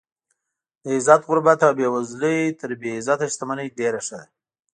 د عزت غربت او بې وزلي تر بې عزته شتمنۍ ډېره ښه ده.